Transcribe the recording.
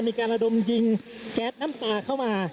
มีการระดมยิงแก๊สน้ำตาเข้ามา